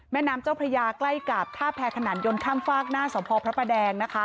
แม่น้ำเจ้าพระยาใกล้กับท่าแพรขนานยนต์ข้ามฝากหน้าสมพอพระประแดงนะคะ